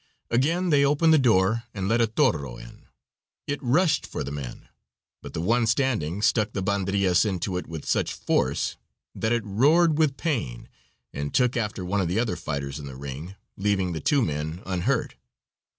Again they opened the door and let a toro in. It rushed for the men, but the one standing stuck the banderillas into it with such force that it roared with pain and took after one of the other fighters in the ring, leaving the two men unhurt.